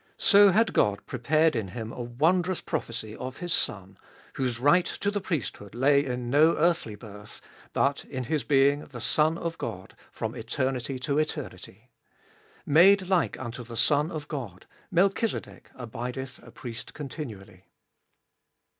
So had God prepared in Him a wondrous prophecy of His Son, whose right to the priesthood lay in no earthly birth, but in His being the Son of God from eternity to eternity. Made like unto the Son of God, Melchizedek abideth a priest continually.